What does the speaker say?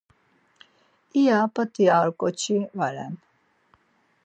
İya p̌at̆i ar ǩoçi va ren.